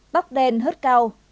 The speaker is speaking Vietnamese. bắc đen hớt cao